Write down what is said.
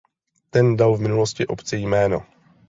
Ten dal v minulosti obci jméno.